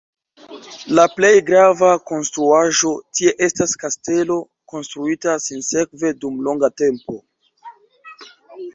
La plej grava konstruaĵo tie estas kastelo, konstruita sinsekve dum longa tempo.